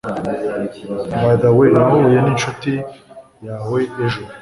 By the way, Nahuye ninshuti yawe ejo.